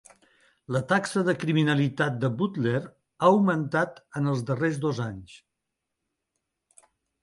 La taxa de criminalitat de Butler ha augmentat en els darrers dos anys.